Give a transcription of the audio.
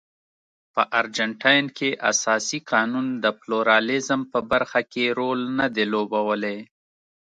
په ارجنټاین کې اساسي قانون د پلورالېزم په برخه کې رول نه دی لوبولی.